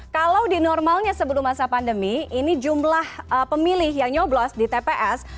kalau di normalnya sebelum masa pandemi ini jumlah pemilih yang nyoblos di tps